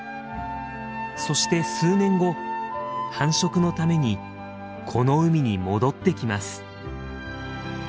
そして数年後繁殖のためにこの海に戻ってきます。